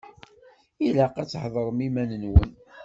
Ilaq ad tḥadrem iman-nwen.